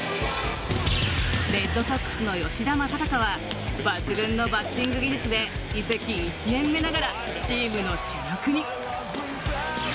レッドソックスの吉田正尚は抜群のバッティング技術で移籍１年目ながらチームの主力に。